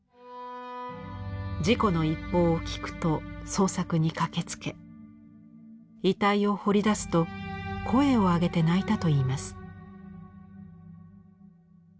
事故の一報を聞くと捜索に駆けつけ遺体を掘り出すと声をあげて泣いたといいます。